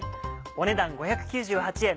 お値段５９８円。